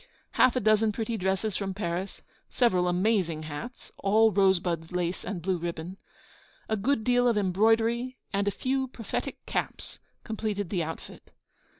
Half a dozen pretty dresses from Paris; several amazing hats, all rosebuds, lace, and blue ribbon; a good deal of embroidery; and a few prophetic caps, completed the outfit.